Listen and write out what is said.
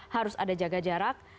harus ada jaga jarak